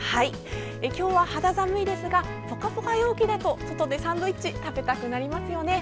今日は肌寒いですがポカポカ陽気だと外でサンドイッチ食べたくなりますよね。